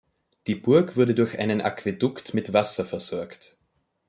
Die Burg wurde durch einen Aquädukt mit Wasser versorgt.